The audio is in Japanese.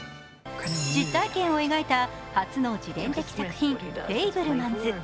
実体験を描いた初の自伝的作品、「フェイブルマンズ」